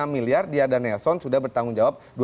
dua puluh enam miliar diyar dan nelson sudah bertanggung jawab